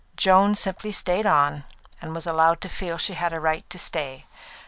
Joan simply stayed on and was allowed to feel that she had a right to stay.